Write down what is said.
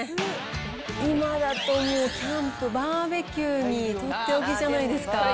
今だともう、キャンプ、バーベキューに取って置きじゃないですか。